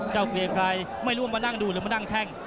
เกลียงไกรไม่รู้ว่ามานั่งดูหรือมานั่งแช่ง